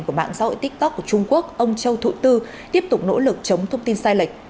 của mạng xã hội tiktok của trung quốc ông châu thụ tư tiếp tục nỗ lực chống thông tin sai lệch